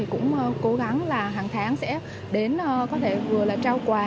cũng cố gắng là hàng tháng sẽ đến có thể vừa là trao quà